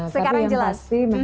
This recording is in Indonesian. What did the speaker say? tapi yang pasti memang